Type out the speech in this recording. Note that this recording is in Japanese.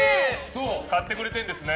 買ってくれてるんですね。